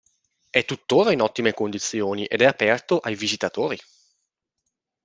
È tuttora in ottime condizioni ed è aperto ai visitatori.